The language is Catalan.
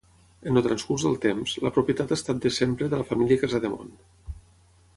En el transcurs del temps, la propietat ha estat de sempre de la família Casademont.